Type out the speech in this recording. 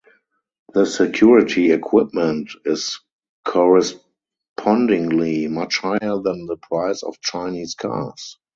The security equipment is correspondingly much higher than the price of Chinese cars.